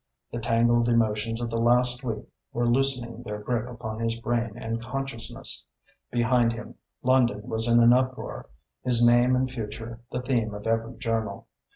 The tangled emotions of the last week were loosening their grip upon his brain and consciousness. Behind him London was in an uproar, his name and future the theme of every journal.